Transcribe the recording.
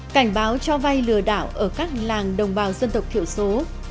cảnh báo cho vay lừa đảo ở các làng đồng bào dân tộc thiểu số